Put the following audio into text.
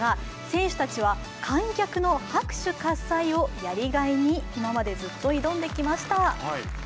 選手たちは、観客の拍手喝采をやりがいに今までずっと挑んできました。